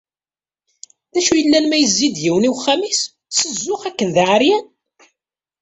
D acu yellan ma yezzi-d yiwen i uxxam-is s zzux akken d aεeryan?